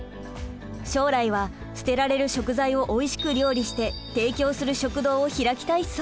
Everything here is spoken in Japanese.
将来は捨てられる食材をおいしく料理して提供する食堂を開きたいそう！